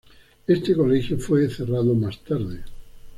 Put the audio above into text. Este colegio fue cerrado más tarde.